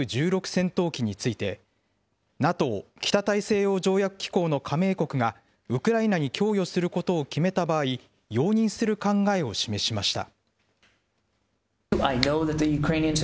戦闘機について、ＮＡＴＯ・北大西洋条約機構の加盟国が、ウクライナに供与することを決めた場合、容認する考えを示しました。